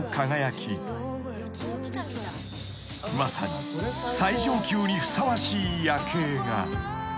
［まさに最上級にふさわしい夜景が］